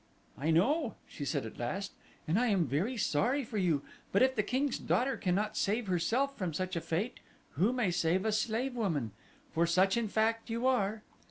"I know," she said at last, "and I am very sorry for you; but if the king's daughter cannot save herself from such a fate who may save a slave woman? for such in fact you are."